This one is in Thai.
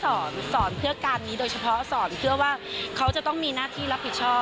สอนสอนเพื่อการนี้โดยเฉพาะสอนเพื่อว่าเขาจะต้องมีหน้าที่รับผิดชอบ